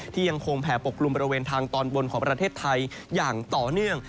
ยังคงแผ่ปกกลุ่มบริเวณทางตอนบนของประเทศไทยอย่างต่อเนื่อง